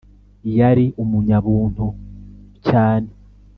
yari umunyabuntu....cyane